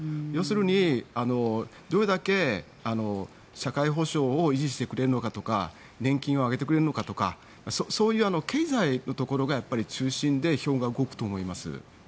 要するに、どれだけ社会保障を維持してくれるのかとか年金を上げてくれるのかとかそういう経済のところが中心で票が動くと思います。